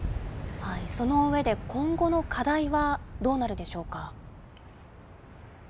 その上で、今後の課題はどうなるでしょうか。